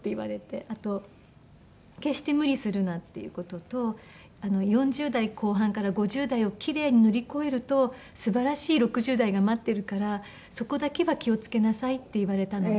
あと決して無理するなっていう事と「４０代後半から５０代を奇麗に乗り越えるとすばらしい６０代が待ってるからそこだけは気を付けなさい」って言われたので。